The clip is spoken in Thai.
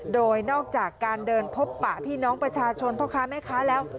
โดยนอกจากการเดินพบปะพี่น้องประชาชนพ่อค้าแม่ค้าแล้ว